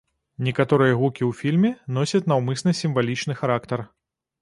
Некаторыя гукі ў фільме носяць наўмысна сімвалічны характар.